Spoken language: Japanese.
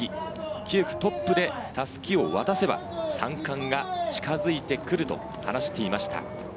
９区トップで襷を渡せば３冠が近づいてくると話していました。